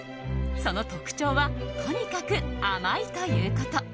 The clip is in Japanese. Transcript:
その特徴はとにかく甘いということ。